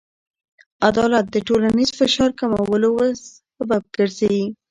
عدالت د ټولنیز فشار کمولو سبب ګرځي.